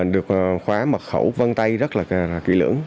được khóa mật khẩu văn tay rất là chú ý